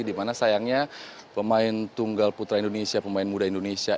dimana sayangnya pemain tunggal putra indonesia pemain muda indonesia